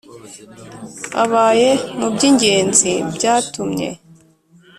abaye mu by’ingenzi byatumye